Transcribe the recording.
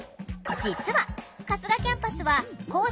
実は春日キャンパスは早っ！